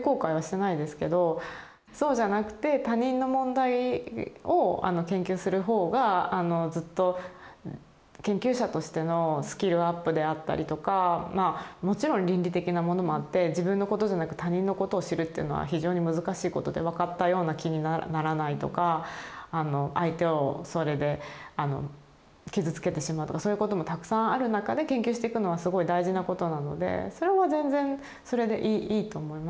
そうじゃなくて他人の問題を研究するほうがずっと研究者としてのスキルアップであったりとかまあもちろん倫理的なものもあって自分のことじゃなく他人のことを知るっていうのは非常に難しいことで分かったような気にならないとか相手をそれで傷つけてしまうとかそういうこともたくさんある中で研究していくのはすごい大事なことなのでそれは全然それでいいと思いますね。